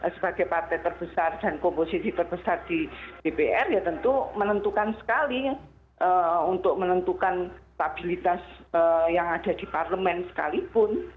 sebagai partai terbesar dan komposisi terbesar di dpr ya tentu menentukan sekali untuk menentukan stabilitas yang ada di parlemen sekalipun